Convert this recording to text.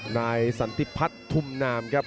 นายสันติพัฒน์ทุมนามครับ